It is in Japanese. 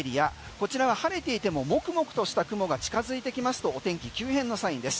こちらは晴れていてももくもくとした雲が近づいてきますと天気急変のサインです。